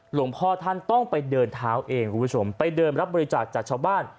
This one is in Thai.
หลวงพ่อท่านต้องไปเดินเท้าเองคุณผู้ชมไปเดินรับบริจาคจากชาวบ้าน